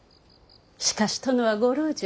しかし殿はご老中